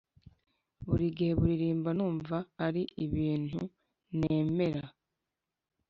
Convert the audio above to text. burigihe buririmba numva ari ibintu nemera.